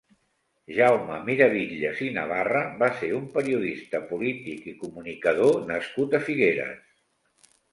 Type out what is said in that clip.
Jaume Miravitlles i Navarra va ser un periodista, polític i comunicador nascut a Figueres.